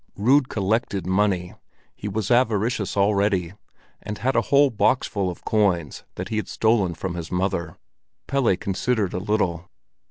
Rud collected money—he was avaricious already—and had a whole boxful of coins that he had stolen from his mother. Pelle considered a little.